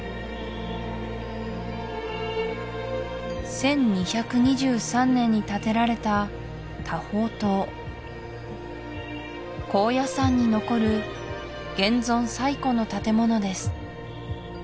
１２２３年に建てられた多宝塔高野山に残る現存最古の建物です